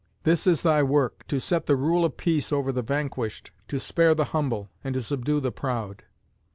This is thy work, to set the rule of peace over the vanquished, to spare the humble, and to subdue the proud."